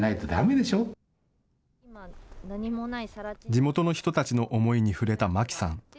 地元の人たちの思いに触れた舞木さん。